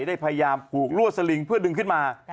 ได้พยายามผูกลวดสลิงเพื่อดึงขึ้นมา